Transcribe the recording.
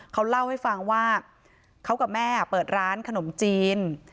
เขาเล่าให้ฟังว่าเขากับแม่เปิดร้านขนมจีน